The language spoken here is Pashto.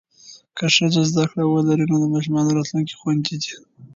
که ښځه زده کړه ولري، نو د ماشومانو راتلونکی خوندي دی.